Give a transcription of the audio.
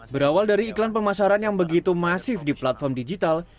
berawal dari iklan pemasaran yang begitu masif di platform digital